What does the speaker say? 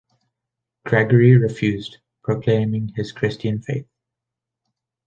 Gregory refused, proclaiming his Christian faith.